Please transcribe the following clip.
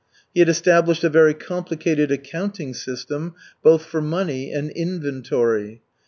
He had established a very complicated accounting system, both for money and inventory.